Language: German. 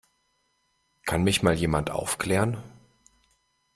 Kann mich mal jemand aufklären?